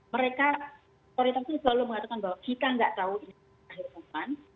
mereka korektasi selalu mengatakan bahwa kita nggak tahu ini akan berakhir kapan